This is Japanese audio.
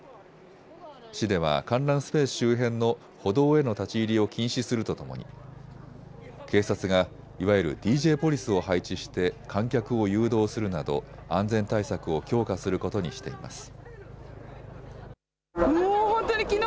市では観覧スペース周辺の歩道への立ち入りを禁止するとともに警察がいわゆるＤＪポリスを配置して観客を誘導するなど安全対策を強化することにしています。